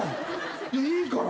いいから。